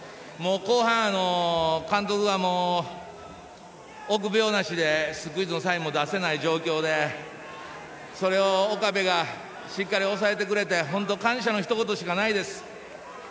後半、監督が臆病でスクイズのサインも出せない状況でそれを岡部がしっかり抑えてくれて本当、感謝のひと言しかないです。